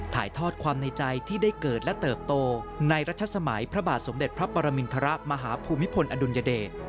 ถ่ายทอดความในใจที่ได้เกิดและเติบโตในรัชสมัยพระบาทสมเด็จพระปรมินทรมาฮภูมิพลอดุลยเดช